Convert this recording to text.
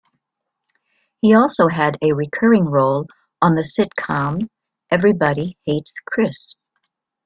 He also had a recurring role on the sitcom "Everybody Hates Chris".